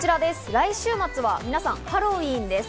来週末は皆さん、ハロウィーンです。